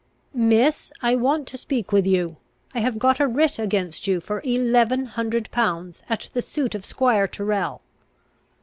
"Miss, I want to speak with you. I have got a writ against you for eleven hundred pounds at the suit of squire Tyrrel."